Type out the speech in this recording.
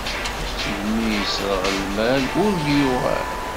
Segmi yesreg lmal, ur d-yuɣal.